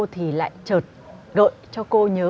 thì lại trợt gợi cho cô nhớ